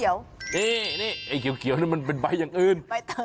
นี่ไอ้เขียวนี่มันเป็นใบอย่างอื่น